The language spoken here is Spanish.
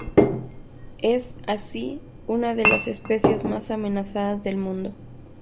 Es, así, una de las especies más amenazadas del mundo.